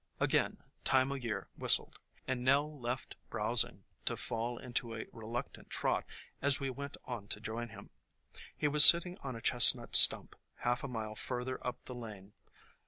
Again Time o' Year whistled, and Nell left browsing to fall into a reluctant trot as we went on to join him. He was sitting on a chestnut stump, half a mile further up the lane.